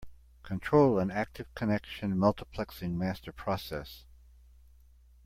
Control an active connection multiplexing master process.